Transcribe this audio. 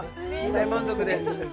大満足です。